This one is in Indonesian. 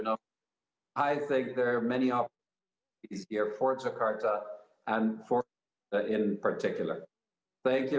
saya pikir ada banyak peran yang harus dihadapi di jakarta dan di jakarta terutama